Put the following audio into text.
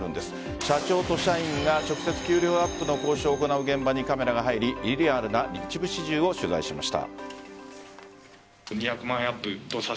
社長と社員が直接給料アップの交渉を行う現場にカメラが入りエリアの一部始終を取材しました。